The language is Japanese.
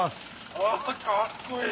うわかっこいい！